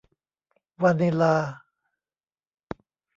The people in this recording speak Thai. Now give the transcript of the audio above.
วานิลลา